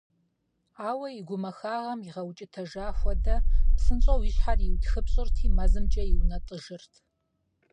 Ауэ и гумахагъэм игъэукӏытэжа хуэдэ, псынщӏэу и щхьэр иутхыпщӏырти мэзымкӏэ иунэтӏыжырт.